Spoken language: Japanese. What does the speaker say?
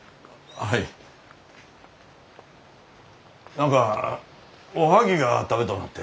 何かおはぎが食べとうなって。